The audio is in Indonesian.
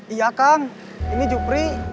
iya kang ini jupri